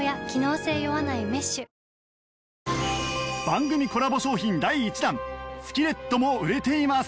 番組コラボ商品第１弾スキレットも売れています